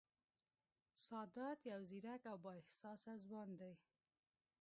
سادات یو ځېرک او با احساسه ځوان دی